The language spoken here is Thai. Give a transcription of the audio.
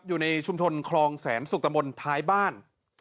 อยู่ในชุมชนคลองแสนสุขตะมนต์ท้ายบ้าน